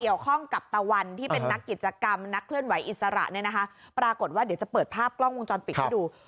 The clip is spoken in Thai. เกี่ยวข้องกับตะวันที่เป็นนักกิจกรรมนักเคลื่อนไหวอิสระเนี่ยนะคะปรากฏว่าเดี๋ยวจะเปิดภาพกล้องวงจรปิดให้ดู